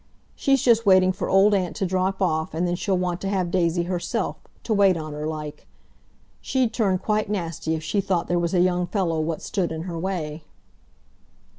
She's just waiting for Old Aunt to drop off and then she'll want to have Daisy herself—to wait on her, like. She'd turn quite nasty if she thought there was a young fellow what stood in her way."